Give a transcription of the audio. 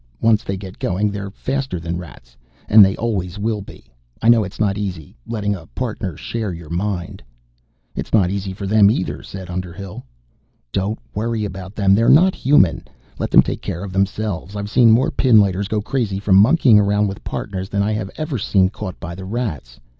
Once they get going, they're faster than Rats. And they always will be. I know it's not easy, letting a Partner share your mind " "It's not easy for them, either," said Underhill. "Don't worry about them. They're not human. Let them take care of themselves. I've seen more pinlighters go crazy from monkeying around with Partners than I have ever seen caught by the Rats.